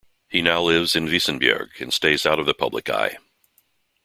He now lives in Vissenbjerg, and stays out of the public eye.